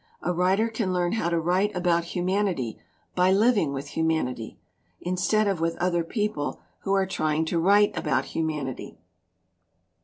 A writer can learn how to write about humanity by living with humanity, instead of with other people who are trying to write about humanity."